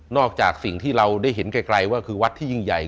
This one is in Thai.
จากสิ่งที่เราได้เห็นไกลว่าคือวัดที่ยิ่งใหญ่